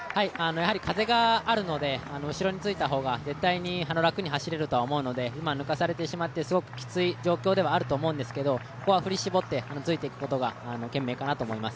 風があるので後ろについた方が絶対に楽に走れると思うので抜かされてしまってすごくきつい状況ではあると思いますがここはふり絞ってついていくことが懸命かなと思います。